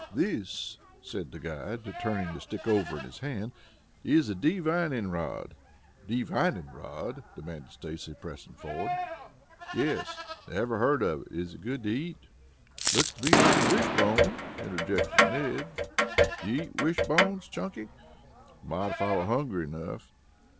"This," said the guide, turning the stick over in his hand, "is a divining rod." "Divining rod?" demanded Stacy, pressing forward. "Yes." "Never heard of it. Is it good to eat?" "Looks to me like a wish bone," interjected Ned. "Do you eat wish bones, Chunky?" "Might, if I were hungry enough."